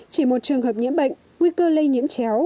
chỉ một trường hợp nhiễm bệnh nguy cơ lây nhiễm chéo